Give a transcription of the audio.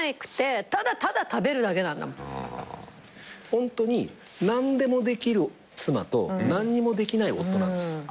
ホントに何でもできる妻と何にもできない夫なんです。